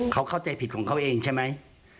เขาเข้าใจผิดของเขาเองใช่ไหม